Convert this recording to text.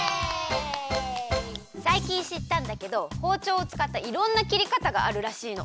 さいきんしったんだけどほうちょうをつかったいろんな切りかたがあるらしいの。